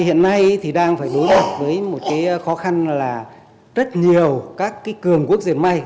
hiện nay thì đang phải đối mặt với một khó khăn là rất nhiều các cường quốc diệt may